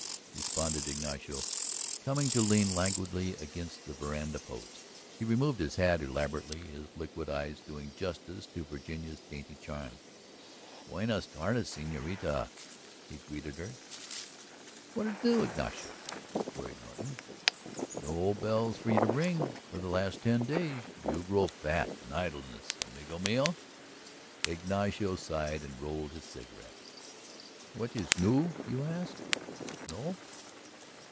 responded Ignacio, coming to lean languidly against the veranda post. He removed his hat elaborately, his liquid eyes doing justice to Virginia's dainty charm. "Buenos tardes, señorita," he greeted her. "What is new, Ignacio?" queried Norton, "No bells for you to ring for the last ten days! You grow fat in idleness, amigo mio." Ignacio sighed and rolled his cigarette. "What is new, you ask? No?